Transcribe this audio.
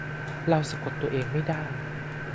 เราสะกดตัวเองไม่ได้